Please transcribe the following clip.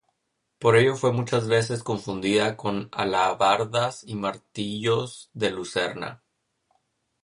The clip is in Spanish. Por ello fue muchas veces confundida con alabardas y martillos de Lucerna.